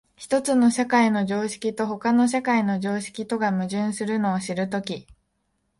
一つの社会の常識と他の社会の常識とが矛盾するのを知るとき、